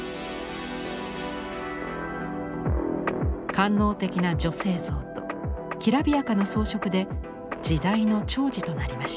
官能的な女性像ときらびやかな装飾で時代の寵児となりました。